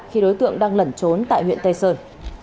khi đối tượng đang lẩn trốn tại huyện tây sơn